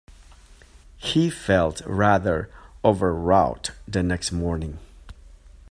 He felt rather overwrought the next morning.